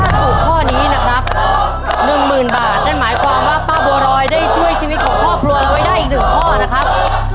ถ้าถูกข้อนี้นะครับหนึ่งหมื่นบาทนั่นหมายความว่าป้าบัวรอยได้ช่วยชีวิตของครอบครัวเราไว้ได้อีกหนึ่งข้อนะครับ